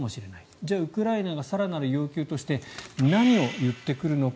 じゃあ、ウクライナが更なる要求として何を言ってくるのか。